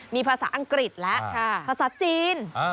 มีภาษาอังกฤษและภาษาจีน